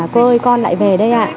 cô ơi con lại về đây ạ